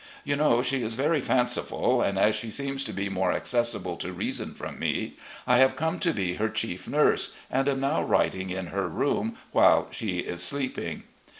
You know she is very fanciful, and as she seems to be more accessible to reason from me, I have come be her chief nurse, and am now writing in her room, while she is sleeping.